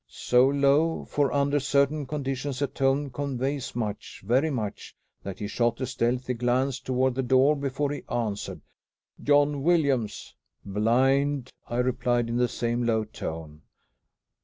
So low for under certain conditions a tone conveys much, very much that he shot a stealthy glance towards the door before he answered, "John Williams." "Blind," I replied in the same low tone.